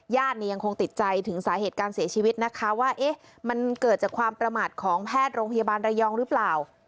ยังคงติดใจถึงสาเหตุการเสียชีวิตนะคะว่ามันเกิดจากความประมาทของแพทย์โรงพยาบาลระยองหรือเปล่า